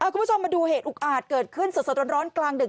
คุณผู้ชมมาดูเหตุอุกอาจเกิดขึ้นสดร้อนกลางดึก